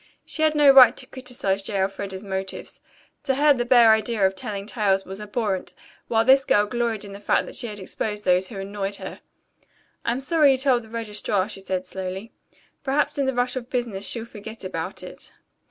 She had no right to criticize J. Elfreda's motives. To her the bare idea of telling tales was abhorrent, while this girl gloried in the fact that she had exposed those who annoyed her. "I'm sorry you told the registrar," she said slowly. "Perhaps in the rush of business she'll forget about it."